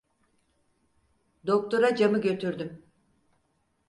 Doktora camı götürdüm.